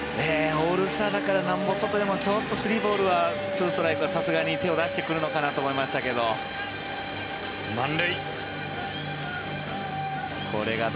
オールスターだからなんぼソトでも、３ボールでは２ストライクはさすがに手を出してくるのかなと思いましたけど。